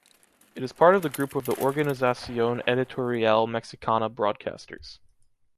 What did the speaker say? It is part of the group of the Organización Editorial Mexicana broadcasters.